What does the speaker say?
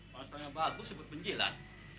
masalahnya bagus sebut penjilat